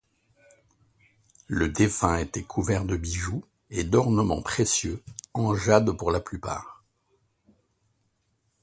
Le défunt était couvert de bijoux et d'ornements précieux, en jade pour la plupart.